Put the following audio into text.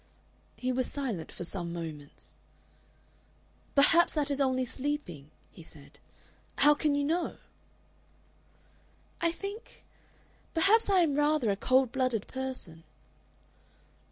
He was silent for some moments. "Perhaps that is only sleeping," he said. "How can you know?" "I think perhaps I am rather a cold blooded person."